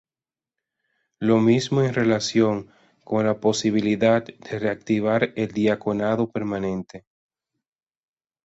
Lo mismo en relación con la posibilidad de reactivar el diaconado permanente.